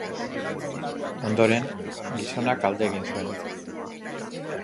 Ondoren, gizonak alde egin zuen.